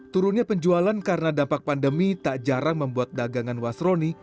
turunnya penjualan karena dampak pandemi tak jarang membuat dagangan wasroni